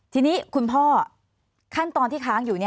ทีนี้คุณพ่อขั้นตอนที่ค้างอยู่